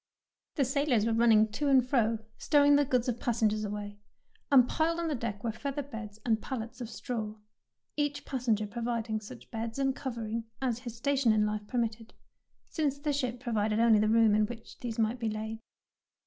The sailors were run ning to and fro stowing the goods of passengers away, and piled on the deck were feather beds and pallets of straw, each passenger providing such beds and covering as his station in life per mitted, since the ship provided only the room in which these might be laid.